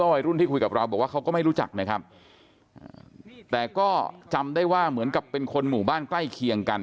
วัยรุ่นที่คุยกับเราบอกว่าเขาก็ไม่รู้จักนะครับแต่ก็จำได้ว่าเหมือนกับเป็นคนหมู่บ้านใกล้เคียงกัน